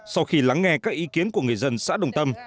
sau khi lắng nghe các ý kiến của người dân xã đồng tâm